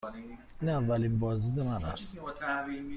این اولین بازدید من است.